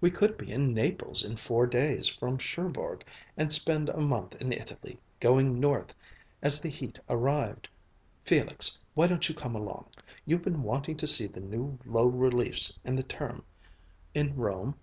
We could be in Naples in four days from Cherbourg and spend a month in Italy, going north as the heat arrived. Felix why don't you come along? You've been wanting to see the new low reliefs in the Terme, in Rome?"